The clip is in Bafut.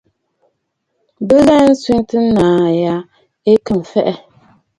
Bɨ ghɛɛ nswɛ̀tə naà ya ɨ to mfɛ̀ʼɛ̀.